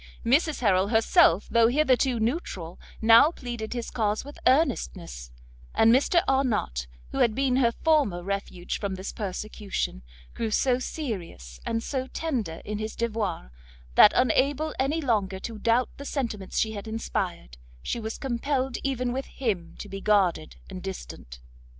Mrs Harrel herself, though hitherto neutral, now pleaded his cause with earnestness; and Mr Arnott, who had been her former refuge from this persecution, grew so serious and so tender in his devoirs, that unable any longer to doubt the sentiments she had inspired, she was compelled even with him to be guarded and distant.